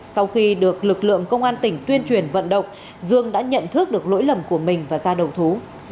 sau khi được lực lượng công an tỉnh tuyên truyền vận động dương đã nhận thức được lỗi lầm của mình và ra đầu thú